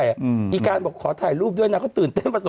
ยังไงหนูก็จะจุดเนาะ